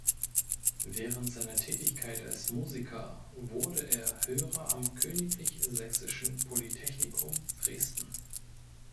Während seiner Tätigkeit als Musiker wurde er Hörer am Königlich Sächsischen Polytechnikum Dresden.